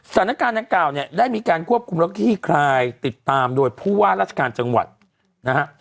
สถานการณ์ทาง๙ได้มีการควบคุมที่ที่ใครติดตามโดยผู้ว่ารัชการจังหวัดนะฮะ